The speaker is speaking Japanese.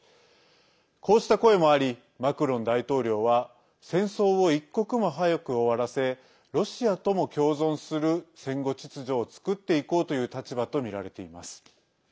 こうした声もありマクロン大統領は戦争を一刻も早く終わらせロシアとも共存する戦後秩序を作っていこうという立場とみられています。